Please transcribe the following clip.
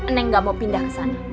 neng gak mau pindah kesana